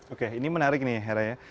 oke ini menarik nih hera ya